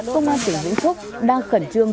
công an tỉnh vĩnh phúc đang khẩn trương